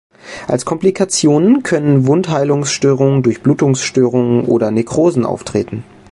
Als Komplikationen können Wundheilungsstörungen, Durchblutungsstörungen oder Nekrosen auftreten.